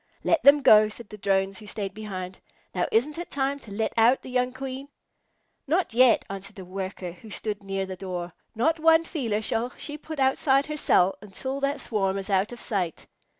"Let them go," said the Drones who stayed behind. "Now, isn't it time to let out the young Queen?" "Not yet," answered a Worker, who stood near the door. "Not one feeler shall she put outside her cell until that swarm is out of sight."